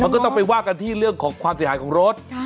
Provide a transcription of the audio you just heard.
ก็ต้องไปว่ากันที่เรื่องของความเสียหายของรถ